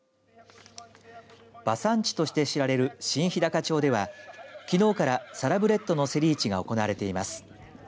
馬産地として知られる新ひだか町ではきのうからサラブレッドの競り市が行われています。